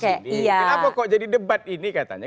kenapa kok jadi debat ini katanya